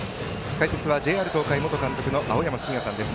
解説はＪＲ東海元監督の青山眞也さんです。